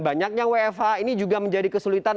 banyaknya wfh ini juga menjadi kesulitan